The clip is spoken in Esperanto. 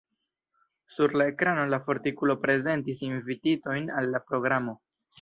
Sur la ekrano la fortikulo prezentis invititojn al la programo.